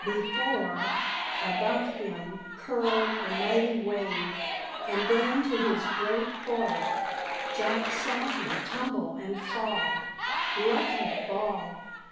Before, above him, curled the mighty wave; and then, to his great horror, Jack saw him stumble and fall. Lucky fall!